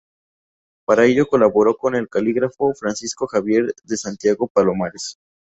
Para ello colaboró con el calígrafo Francisco Javier de Santiago Palomares.